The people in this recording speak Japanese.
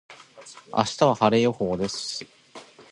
明日は晴れ予報です。